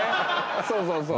そうそうそう。